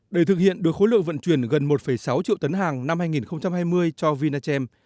để thực hiện được khối lượng vận chuyển gần một sáu triệu tấn hàng năm hai nghìn hai mươi cho vinachem